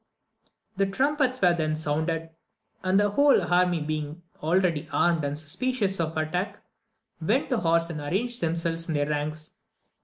The trumpets were then sounded, and the whole army being already armed and suspicious of attack, went to horse and arranged themselves in their ranks.